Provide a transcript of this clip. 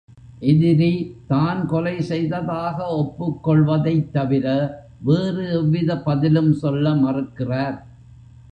எதிரி தான் கொலை செய்ததாக ஒப்புக்கொள்வதைத் தவிர வேறு எவ்வித பதிலும் சொல்ல மறுக்கிறார்.